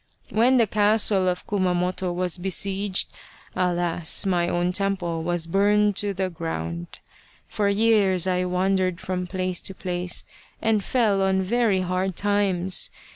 When the castle of Kumamoto was besieged, alas ! my own temple was burned to the ground. For years I wandered from place to place and fell on very hard times.